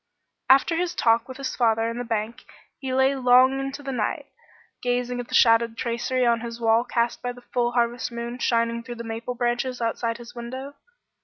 After his talk with his father in the bank he lay long into the night, gazing at the shadowed tracery on his wall cast by the full harvest moon shining through the maple branches outside his window.